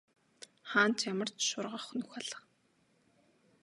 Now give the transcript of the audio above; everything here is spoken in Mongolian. Хаана ч ямар ч шургах нүх алга.